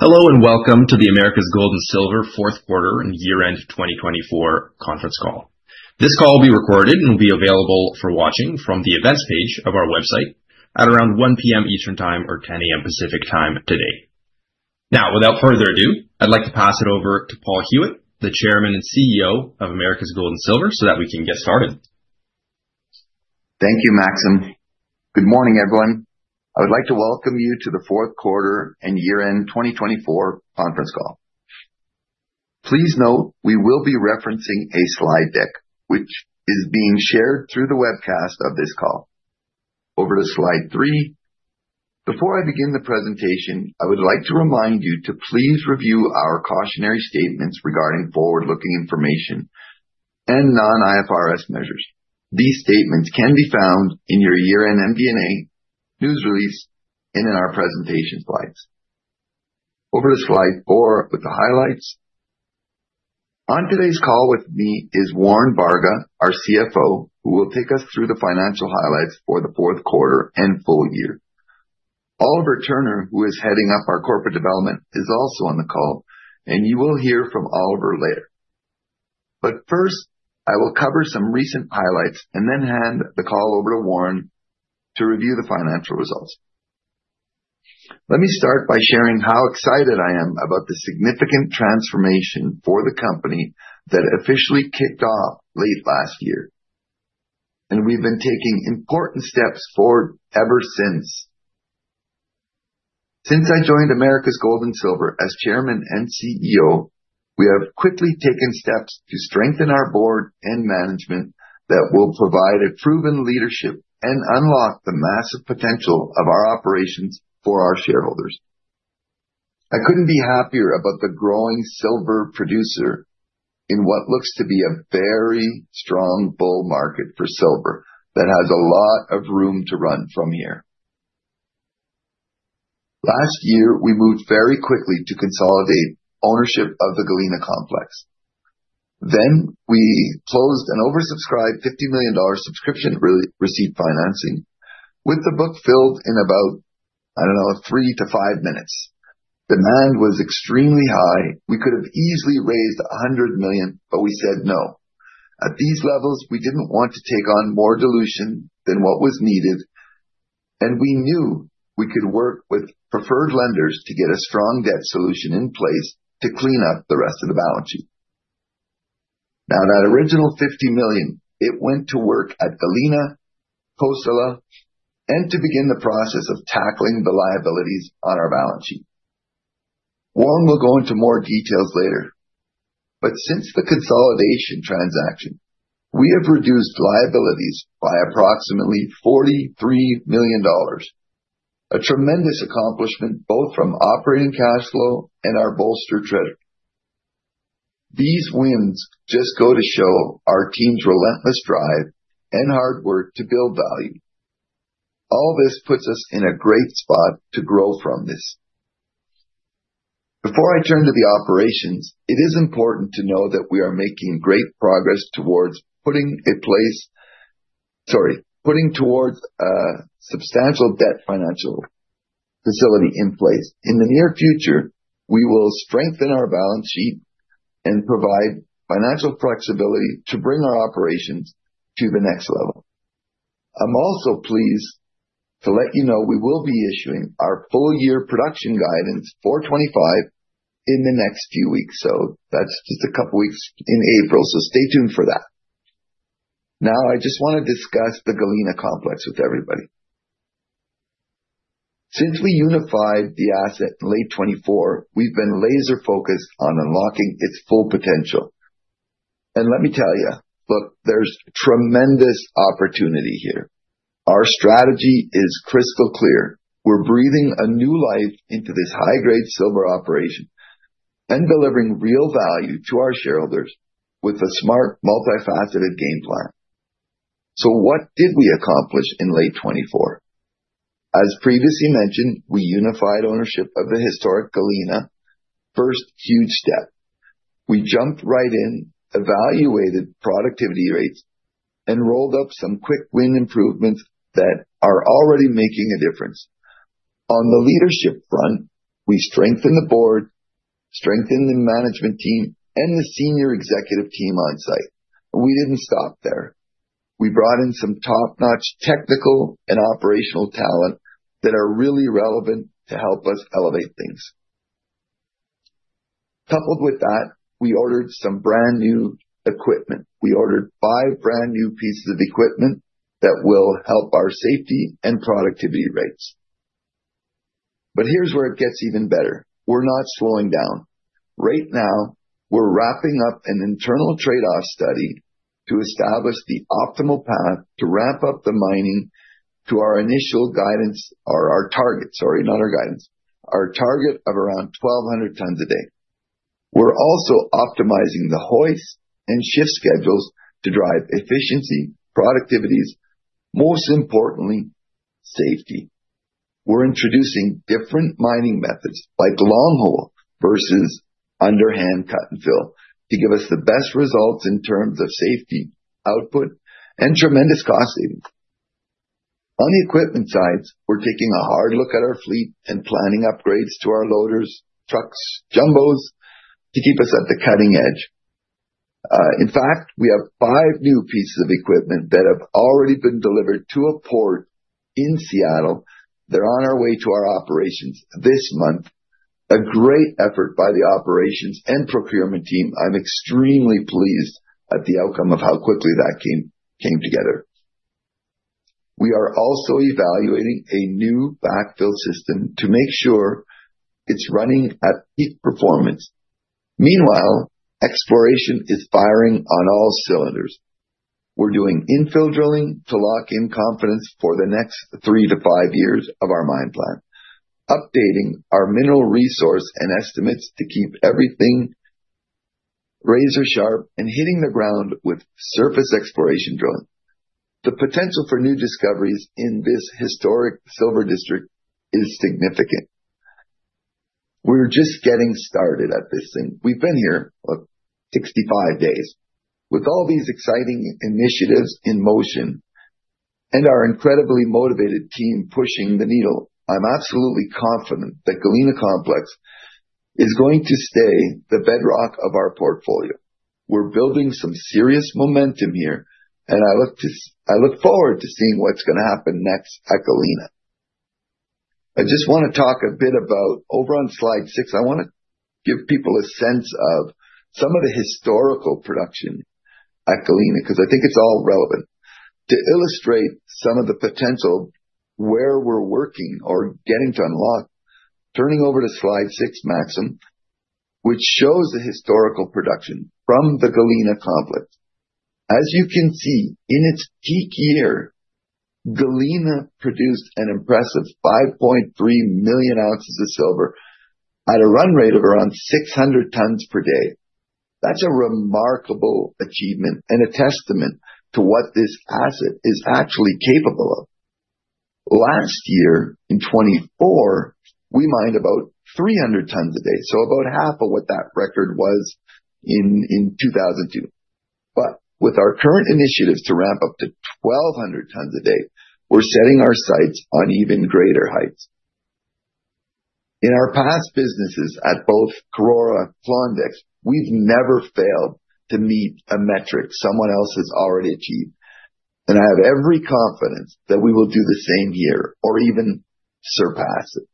Hello and welcome to the Americas Gold and Silver Fourth Quarter and Year End 2024 Conference Call. This call will be recorded and will be available for watching from the events page of our website at around 1:00 P.M. Eastern Time or 10:00 A.M. Pacific Time today. Now, without further ado, I'd like to pass it over to Paul Huet, the Chairman and CEO of Americas Gold and Silver, so that we can get started. Thank you, Maxim. Good morning, everyone. I would like to welcome you to the Fourth Quarter and Year End 2024 Conference Call. Please note we will be referencing a slide deck, which is being shared through the webcast of this call. Over to slide three. Before I begin the presentation, I would like to remind you to please review our cautionary statements regarding forward-looking information and non-IFRS measures. These statements can be found in your Year End MD&A news release and in our presentation slides. Over to slide four with the highlights. On today's call with me is Warren Varga, our CFO, who will take us through the financial highlights for the fourth quarter and full year. Oliver Turner, who is heading up our corporate development, is also on the call, and you will hear from Oliver later. First, I will cover some recent highlights and then hand the call over to Warren to review the financial results. Let me start by sharing how excited I am about the significant transformation for the company that officially kicked off late last year, and we've been taking important steps forward ever since. Since I joined Americas Gold and Silver as Chairman and CEO, we have quickly taken steps to strengthen our board and management that will provide proven leadership and unlock the massive potential of our operations for our shareholders. I couldn't be happier about the growing silver producer in what looks to be a very strong bull market for silver that has a lot of room to run from here. Last year, we moved very quickly to consolidate ownership of the Galena Complex. We closed an oversubscribed $50 million subscription receipt financing with the book filled in about, I don't know, three to five minutes. Demand was extremely high. We could have easily raised $100 million, but we said no. At these levels, we didn't want to take on more dilution than what was needed, and we knew we could work with preferred lenders to get a strong debt solution in place to clean up the rest of the balance sheet. Now, that original $50 million, it went to work at Galena, Cosalá, and to begin the process of tackling the liabilities on our balance sheet. Warren will go into more details later, but since the consolidation transaction, we have reduced liabilities by approximately $43 million, a tremendous accomplishment both from operating cash flow and our bolstered treasury. These wins just go to show our team's relentless drive and hard work to build value. All this puts us in a great spot to grow from this. Before I turn to the operations, it is important to know that we are making great progress towards putting a substantial debt financial facility in place. In the near future, we will strengthen our balance sheet and provide financial flexibility to bring our operations to the next level. I'm also pleased to let you know we will be issuing our full year production guidance for 2025 in the next few weeks. That is just a couple of weeks in April, so stay tuned for that. Now, I just want to discuss the Galena Complex with everybody. Since we unified the asset in late 2024, we've been laser-focused on unlocking its full potential. Let me tell you, look, there's tremendous opportunity here. Our strategy is crystal clear. We're breathing new life into this high-grade silver operation and delivering real value to our shareholders with a smart, multifaceted game plan. What did we accomplish in late 2024? As previously mentioned, we unified ownership of the historic Galena. First huge step. We jumped right in, evaluated productivity rates, and rolled up some quick win improvements that are already making a difference. On the leadership front, we strengthened the board, strengthened the management team, and the senior executive team on site. We didn't stop there. We brought in some top-notch technical and operational talent that are really relevant to help us elevate things. Coupled with that, we ordered some brand new equipment. We ordered five brand new pieces of equipment that will help our safety and productivity rates. Here's where it gets even better. We're not slowing down. Right now, we're wrapping up an internal trade-off study to establish the optimal path to ramp up the mining to our initial guidance or our target—sorry, not our guidance, our target of around 1,200 tons a day. We're also optimizing the hoist and shift schedules to drive efficiency, productivities, most importantly, safety. We're introducing different mining methods like long hole versus underhand cut and fill to give us the best results in terms of safety, output, and tremendous cost savings. On the equipment side, we're taking a hard look at our fleet and planning upgrades to our loaders, trucks, jumbos to keep us at the cutting edge. In fact, we have five new pieces of equipment that have already been delivered to a port in Seattle. They're on their way to our operations this month. A great effort by the operations and procurement team. I'm extremely pleased at the outcome of how quickly that came together. We are also evaluating a new backfill system to make sure it's running at peak performance. Meanwhile, exploration is firing on all cylinders. We're doing infill drilling to lock in confidence for the next three to five years of our mine plan, updating our mineral resource and estimates to keep everything razor sharp and hitting the ground with surface exploration drilling. The potential for new discoveries in this historic silver district is significant. We're just getting started at this thing. We've been here, look, 65 days. With all these exciting initiatives in motion and our incredibly motivated team pushing the needle, I'm absolutely confident that Galena Complex is going to stay the bedrock of our portfolio. We're building some serious momentum here, and I look forward to seeing what's going to happen next at Galena. I just want to talk a bit about over on slide six. I want to give people a sense of some of the historical production at Galena because I think it's all relevant to illustrate some of the potential where we're working or getting to unlock. Turning over to slide six, Maxim, which shows the historical production from the Galena Complex. As you can see, in its peak year, Galena produced an impressive 5.3 million ounces of silver at a run rate of around 600 tons per day. That's a remarkable achievement and a testament to what this asset is actually capable of. Last year, in 2024, we mined about 300 tons a day, so about half of what that record was in 2002. With our current initiatives to ramp up to 1,200 tons a day, we're setting our sights on even greater heights. In our past businesses at both Karora and Klondex, we've never failed to meet a metric someone else has already achieved, and I have every confidence that we will do the same here or even surpass it.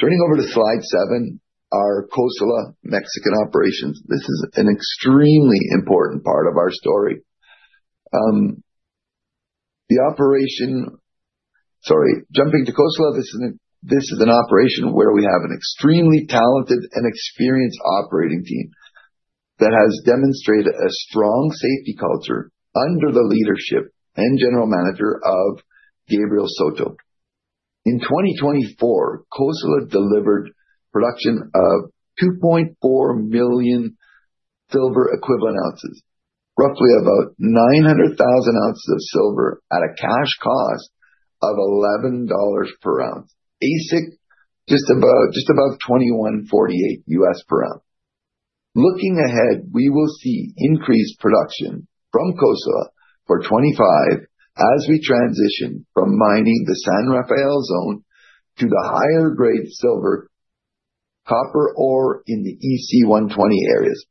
Turning over to slide seven, our Cosalá Mexican operations. This is an extremely important part of our story. The operation—sorry, jumping to Cosalá—this is an operation where we have an extremely talented and experienced operating team that has demonstrated a strong safety culture under the leadership and General Manager Gabriel Soto. In 2024, Cosalá delivered production of 2.4 million silver equivalent ounces, roughly about 900,000 ounces of silver at a cash cost of $11 per ounce, AISC just above $21.48 per ounce. Looking ahead, we will see increased production from Cosalá for 2025 as we transition from mining the San Rafael zone to the higher-grade silver copper ore in the EC120 areas.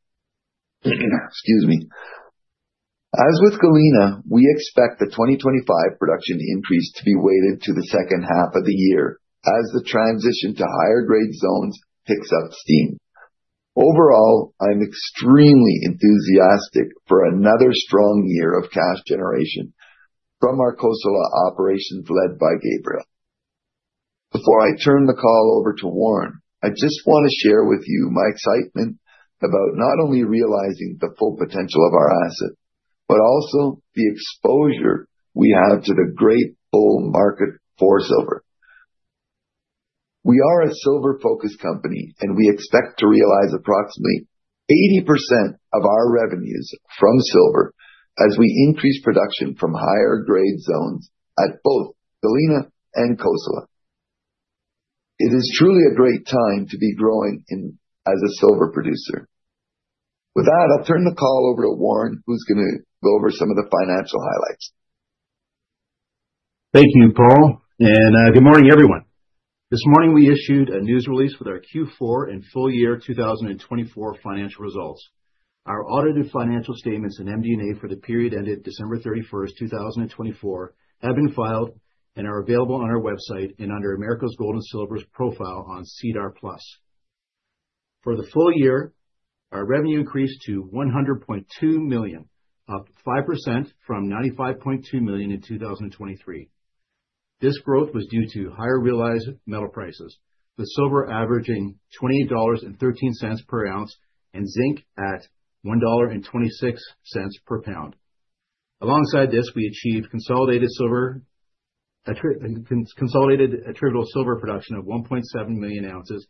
Excuse me. As with Galena, we expect the 2025 production increase to be weighted to the second half of the year as the transition to higher-grade zones picks up steam. Overall, I'm extremely enthusiastic for another strong year of cash generation from our Cosalá operations led by Gabriel. Before I turn the call over to Warren, I just want to share with you my excitement about not only realizing the full potential of our asset, but also the exposure we have to the great bull market for silver. We are a silver-focused company, and we expect to realize approximately 80% of our revenues from silver as we increase production from higher-grade zones at both Galena and Cosalá. It is truly a great time to be growing as a silver producer. With that, I'll turn the call over to Warren, who's going to go over some of the financial highlights. Thank you, Paul. Good morning, everyone. This morning, we issued a news release with our Q4 and full year 2024 financial results. Our audited financial statements and MD&A for the period ended December 31, 2024, have been filed and are available on our website and under Americas Gold and Silver's profile on SEDAR+. For the full year, our revenue increased to $100.2 million, up 5% from $95.2 million in 2023. This growth was due to higher realized metal prices, with silver averaging $28.13 per ounce and zinc at $1.26 per pound. Alongside this, we achieved consolidated attributable silver production of 1.7 million ounces,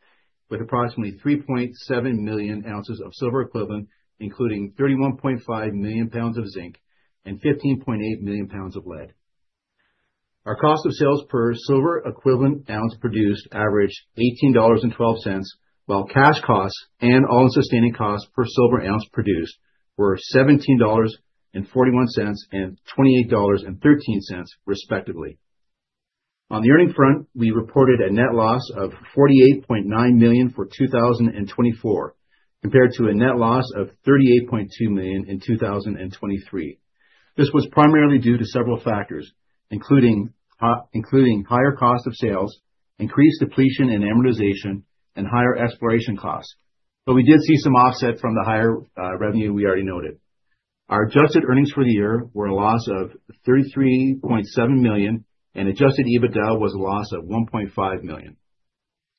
with approximately 3.7 million ounces of silver equivalent, including 31.5 million pounds of zinc and 15.8 million pounds of lead. Our cost of sales per silver equivalent ounce produced averaged $18.12, while cash costs and all sustaining costs per silver ounce produced were $17.41 and $28.13, respectively. On the earning front, we reported a net loss of $48.9 million for 2024, compared to a net loss of $38.2 million in 2023. This was primarily due to several factors, including higher cost of sales, increased depletion and amortization, and higher exploration costs. We did see some offset from the higher revenue we already noted. Our adjusted earnings for the year were a loss of $33.7 million, and adjusted EBITDA was a loss of $1.5 million.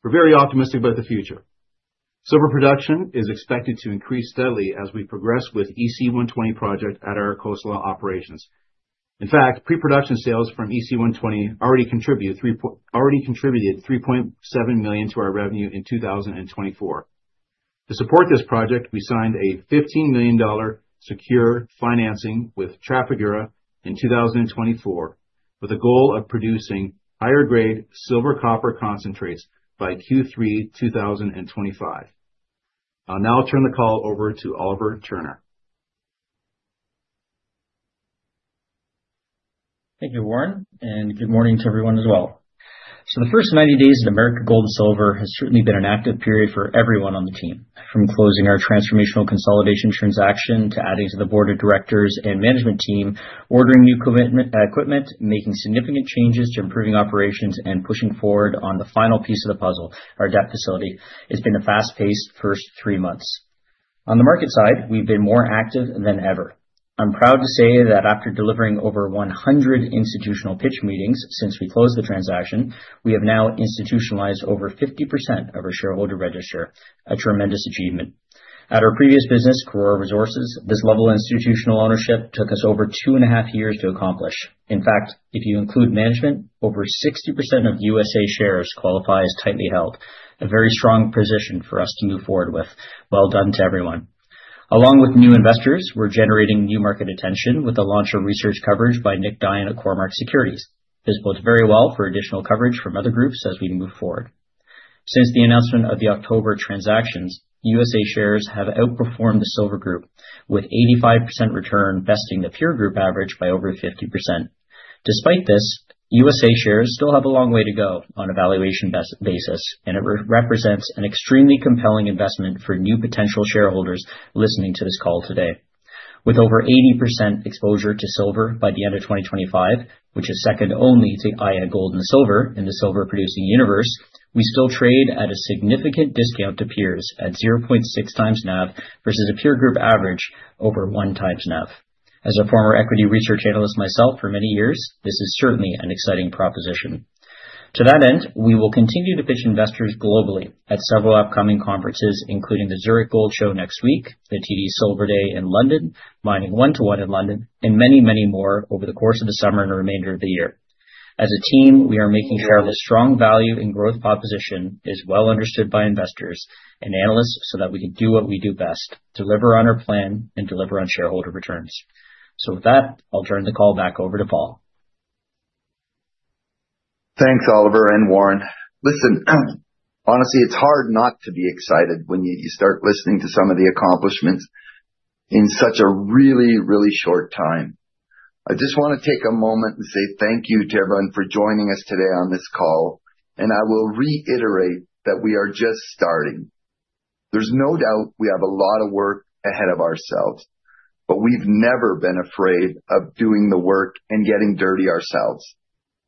We're very optimistic about the future. Silver production is expected to increase steadily as we progress with EC120 project at our Cosalá operations. In fact, pre-production sales from EC120 already contributed $3.7 million to our revenue in 2024. To support this project, we signed a $15 million secure financing with Trafigura in 2024, with a goal of producing higher-grade silver copper concentrates by Q3 2025. I'll now turn the call over to Oliver Turner. Thank you, Warren, and good morning to everyone as well. The first 90 days at Americas Gold and Silver has certainly been an active period for everyone on the team, from closing our transformational consolidation transaction to adding to the board of directors and management team, ordering new equipment, making significant changes to improving operations, and pushing forward on the final piece of the puzzle, our debt facility. It's been a fast-paced first three months. On the market side, we've been more active than ever. I'm proud to say that after delivering over 100 institutional pitch meetings since we closed the transaction, we have now institutionalized over 50% of our shareholder register, a tremendous achievement. At our previous business, Karora Resources, this level of institutional ownership took us over two and a half years to accomplish. In fact, if you include management, over 60% of USA shares qualify as tightly held, a very strong position for us to move forward with. Well done to everyone. Along with new investors, we're generating new market attention with the launch of research coverage by Nick Dion at Cormark Securities. This bodes very well for additional coverage from other groups as we move forward. Since the announcement of the October transactions, USA shares have outperformed the silver group, with 85% return besting the peer group average by over 50%. Despite this, USA shares still have a long way to go on a valuation basis, and it represents an extremely compelling investment for new potential shareholders listening to this call today. With over 80% exposure to silver by the end of 2025, which is second only to Aya Gold & Silver in the silver-producing universe, we still trade at a significant discount to peers at 0.6x NAV versus a peer group average over 1x NAV. As a former equity research analyst myself for many years, this is certainly an exciting proposition. To that end, we will continue to pitch investors globally at several upcoming conferences, including the Zurich Gold Show next week, the TD Silver Day in London, Mining 121 in London, and many, many more over the course of the summer and the remainder of the year. As a team, we are making sure the strong value and growth proposition is well understood by investors and analysts so that we can do what we do best, deliver on our plan, and deliver on shareholder returns. With that, I'll turn the call back over to Paul. Thanks, Oliver and Warren. Honestly, it's hard not to be excited when you start listening to some of the accomplishments in such a really, really short time. I just want to take a moment and say thank you to everyone for joining us today on this call, and I will reiterate that we are just starting. There's no doubt we have a lot of work ahead of ourselves, but we've never been afraid of doing the work and getting dirty ourselves.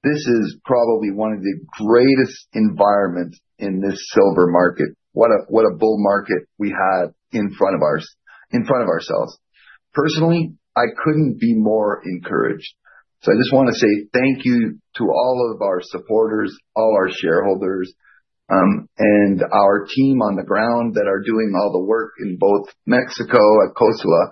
This is probably one of the greatest environments in this silver market. What a bull market we had in front of ourselves. Personally, I couldn't be more encouraged. I just want to say thank you to all of our supporters, all our shareholders, and our team on the ground that are doing all the work in both Mexico at Cosalá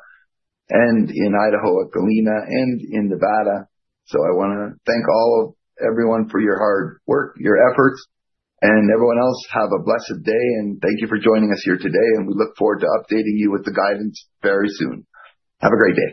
and in Idaho at Galena and in Nevada. I want to thank all of everyone for your hard work, your efforts, and everyone else. Have a blessed day, and thank you for joining us here today, and we look forward to updating you with the guidance very soon. Have a great day.